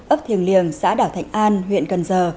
ấp thiền liền xã đảo thạnh an huyện cần giờ